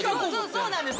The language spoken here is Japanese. そうなんです。